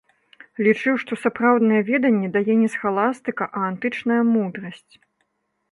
Лічыў, што сапраўднае веданне дае не схаластыка, а антычная мудрасць.